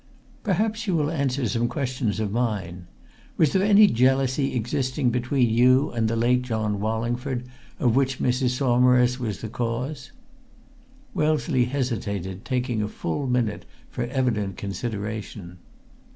"Perhaps you will answer some questions of mine. Was there any jealousy existing between you and the late John Wallingford, of which Mrs. Saumarez was the cause?" Wellesley hesitated, taking a full minute for evident consideration.